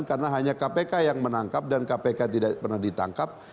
karena hanya kpk yang menangkap dan kpk tidak pernah ditangkap